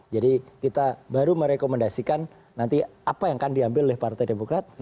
jadi kita baru merekomendasikan nanti apa yang akan diambil oleh partai demokrat